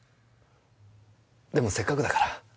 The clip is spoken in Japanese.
でもせっかくだから。